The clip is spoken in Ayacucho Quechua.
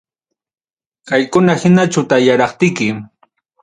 Kaykuna hina chutarayaptiki